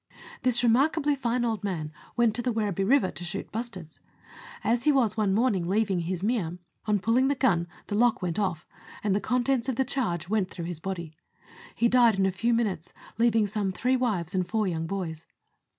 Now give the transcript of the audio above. This remarkably fine old man went to the Werribee River to shoot bustards. As he was one morning leaving his miam, on pulling the gun, the lock went off, and the contents of the charge went through his body. He died in a few minutes, leaving some three wives and four young boys.